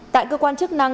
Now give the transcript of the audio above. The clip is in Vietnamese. tại cơ quan chức năng